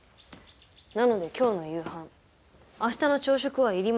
なので今日の夕飯明日の朝食はいりません。